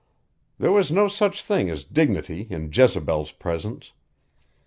There was no such thing as dignity in Jezebel's presence.